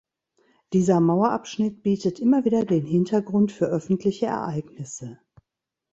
Dieser Mauerabschnitt bietet immer wieder den Hintergrund für öffentliche Ereignisse.